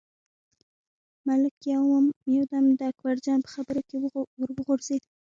ملک یو دم د اکبرجان په خبرو کې ور وغورځېد.